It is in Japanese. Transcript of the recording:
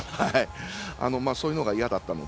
そういうのが、いやだったので。